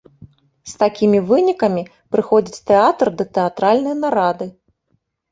З такімі вынікамі прыходзіць тэатр да тэатральнай нарады.